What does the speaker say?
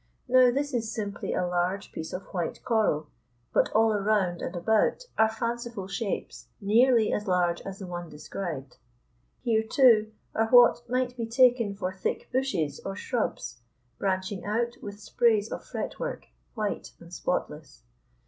Now, this is simply a large piece of white coral, but all around and about are fanciful shapes, nearly as large as the one described. Here, too, are what might be taken for thick bushes or shrubs, branching out with sprays of fretwork, white and spotless.